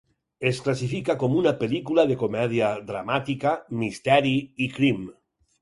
Es classifica com una pel·lícula de comèdia dramàtica, misteri i crim.